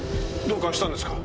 どうかしたんですか？